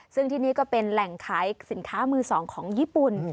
ซึ่งที่นี่ก็เป็นแหล่งขายสินค้ามือสองของญี่ปุ่น